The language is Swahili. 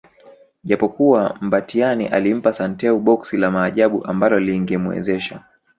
Japokuwa Mbatiany alimpa Santeu boksi la Maajabu ambalo lingemwezesha